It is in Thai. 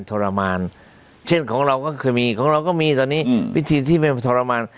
ทรมานเช่นของเราก็เคยมีของเราก็มีตอนนี้วิธีที่ไม่ทรมาน